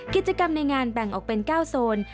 กิจกรรมในงานแบ่งออกเป็น๙โซน